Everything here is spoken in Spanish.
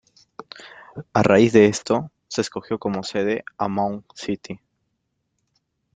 A raíz de esto, se escogió como sede a Mound City.